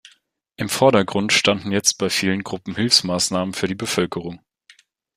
Im Vordergrund standen jetzt bei vielen Gruppen Hilfsmaßnahmen für die Bevölkerung.